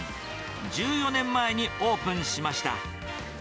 １４年前にオープンしました。